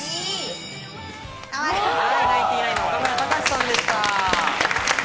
ナインティナインの岡村隆史さんでした。